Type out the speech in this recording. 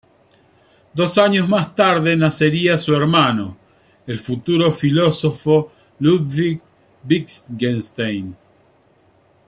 Dos años más tarde nacería su hermano, el futuro filósofo Ludwig Wittgenstein.